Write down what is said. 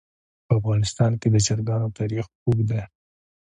په افغانستان کې د چرګانو تاریخ اوږد دی.